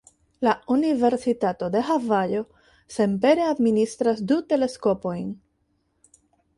La Universitato de Havajo senpere administras du teleskopojn.